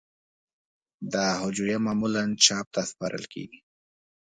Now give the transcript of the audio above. دا هجویه معمولاً چاپ ته سپارل کیږی.